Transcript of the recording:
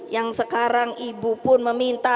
yang sekarang ibu pun meminta